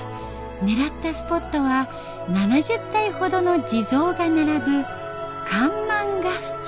狙ったスポットは７０体ほどの地蔵が並ぶ憾満ヶ淵。